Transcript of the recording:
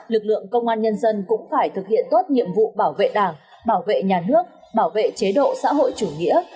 lực lượng công an nhân dân cũng phải thực hiện tốt nhiệm vụ bảo vệ đảng bảo vệ nhà nước bảo vệ chế độ xã hội chủ nghĩa